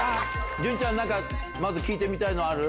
潤ちゃん、なんかまず聞いてみたいのある？